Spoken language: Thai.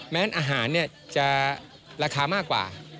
อาหารจะราคามากกว่า